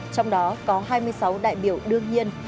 trong đó có hai mươi sáu đại biểu đương nhiên